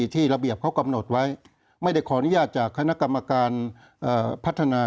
ที่ระเบียบเขากำหนดไว้ไม่ได้ขออนุญาตจากคณะกรรมการพัฒนา